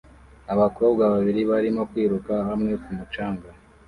Abakobwa babiri barimo kwiruka hamwe ku mucanga